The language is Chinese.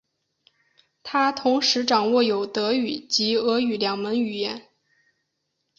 他同时掌握有德语及俄语两门语言。